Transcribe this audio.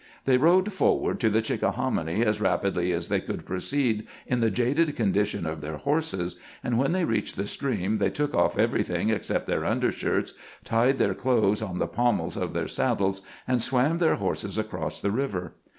They rode forward to the Chickahominy as rapidly as they could proceed in the jaded condition of their horses, and when they reached the stream they took off everything except their undershirts, tied their clothes on the pommels of their saddles, and swam their horses across the river.